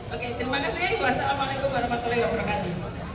oke terima kasih wassalamualaikum warahmatullah wabarakatuh